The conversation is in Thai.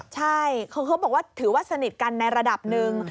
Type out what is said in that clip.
ใช่เขาบอกว่าถือว่าสนิทกันในระดับหนึ่ง